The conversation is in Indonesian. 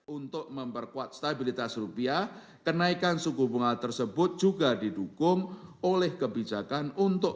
untuk memperkuat stabilitas rupiah kenaikan suku bunga tersebut juga didukung oleh kebijakan untuk